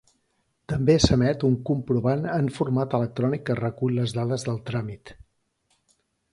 També s'emet un comprovant en format electrònic que recull les dades del tràmit.